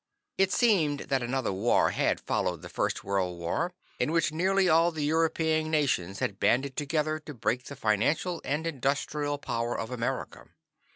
It seemed that another war had followed the First World War, in which nearly all the European nations had banded together to break the financial and industrial power of America.